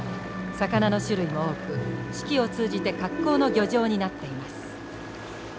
魚の種類も多く四季を通じて格好の漁場になっています。